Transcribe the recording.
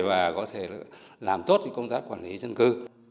và có thể làm tốt công tác quản lý dân cư